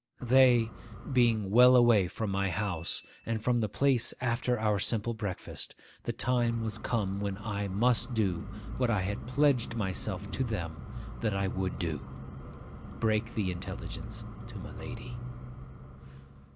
They being well away from my house and from the place after our simple breakfast, the time was come when I must do what I had pledged myself to them that I would do,—break the intelligence to my lady.